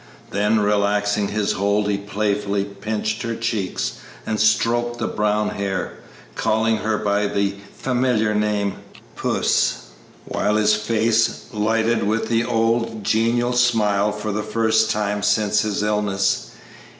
Then, relaxing his hold, he playfully pinched her cheeks and stroked the brown hair, calling her by the familiar name "Puss," while his face lighted with the old genial smile for the first time since his illness.